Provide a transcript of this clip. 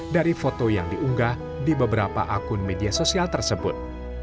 dari foto yang diunggah di beberapa akun media sosial tersebut